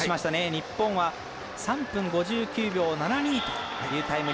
日本は３分５９秒７２というタイム。